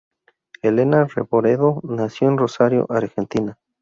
Helena Revoredo nació en Rosario, Argentina.